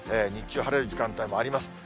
日中晴れる時間帯もあります。